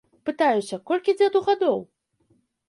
Пытаюся, колькі дзеду гадоў?